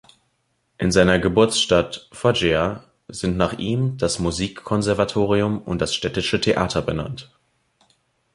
In seiner Geburtsstadt "Foggia" sind nach ihm das Musik-Konservatorium und das Städtische Theater benannt.